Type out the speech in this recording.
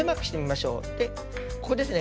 でここですね